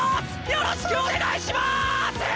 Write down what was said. よろしくお願いします！